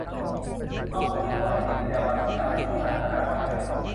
บางคนเรียกร้องให้มีจรรยาบรรณวิชาชีพของนักพัฒนาซอฟต์แวร์